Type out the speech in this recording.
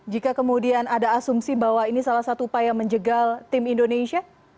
jika kemudian ada asumsi bahwa ini salah satu upaya menjegal tim indonesia